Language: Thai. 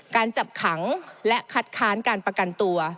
การจับขังและคัดค้านการประกันตัว